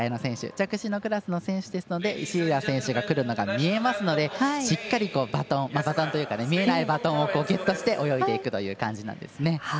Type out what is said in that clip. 弱視のクラスの選手ですので石浦選手が来るのが見えますので、しっかりと見えないバトンをゲットして泳いでいくという感じです。